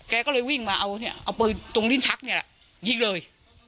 แกก็เลยวิ่งมาเอาเนี่ยเอาปืนตรงลิ้นชักเนี่ยแหละยิงเลย